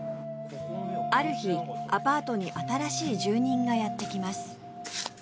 ある日アパートに新しい住人がやって来ます